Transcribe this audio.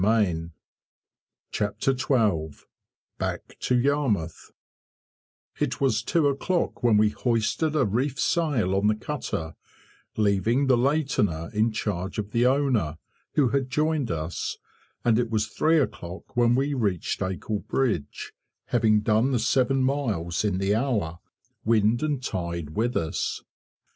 [Picture: Decorative drop capital] It was two o'clock when we hoisted a reefed sail on the cutter, leaving the lateener in charge of the owner, who had joined us, and it was three o'clock when we reached Acle bridge, having done the seven miles in the hour, wind and tide with us.